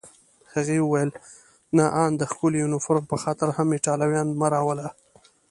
هغې وویل: نه، آن د ښکلي یونیفورم په خاطر هم ایټالویان مه راوله.